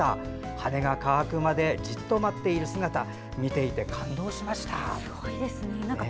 羽が乾くまでじっと待っている姿見ていて感動しました。